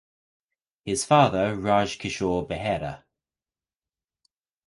His father Raj Kishore Behera